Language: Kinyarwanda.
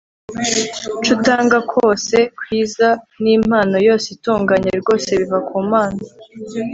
Cutanga kwose kwiza nimpano yositunganye rwose biva ku Mana